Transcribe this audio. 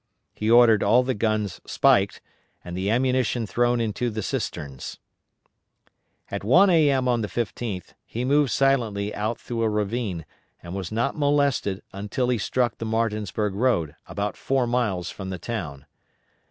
He ordered all the guns spiked, and the ammunition thrown into the cisterns. At 1 A.M. on the 15th, he moved silently out through a ravine and was not molested until he struck the Martinsburg road, about four miles from the town.